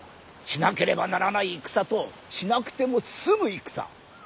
しなければならない戦としなくても済む戦。